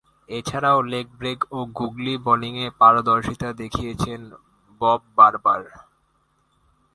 এছাড়াও leg break ও googly বোলিংয়ে পারদর্শিতা দেখিয়েছেন বব বারবার।